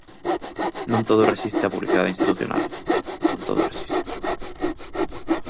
Non todo resiste a publicidade institucional, non todo resiste.